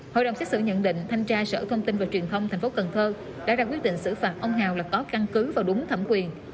hội đồng xét xử nhận định thanh tra sở thông tin và truyền thông tp cần thơ đã ra quyết định xử phạt ông hào là có căn cứ vào đúng thẩm quyền